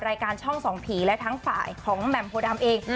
รายการช่องส่องผีและทั้งฝ่ายของแหม่มโพดำเอง